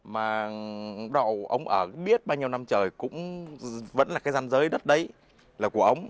mà ông ở biết bao nhiêu năm trời cũng vẫn là cái giam giới đất đấy là của ông